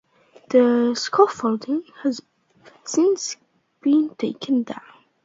The scaffolding has since been taken down.